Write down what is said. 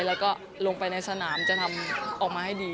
แล้วก็ลงไปในสนามจะทำออกมาให้ดี